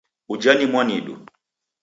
Uja ni mwanidu